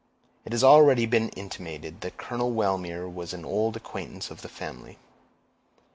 It has already been intimated that Colonel Wellmere was an old acquaintance of the family.